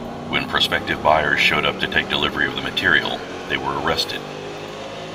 When prospective buyers showed up to take delivery of the material, they were arrested.